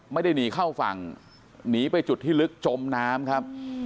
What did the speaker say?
ไม่ได้หนีเข้าฝั่งหนีไปจุดที่ลึกจมน้ำครับ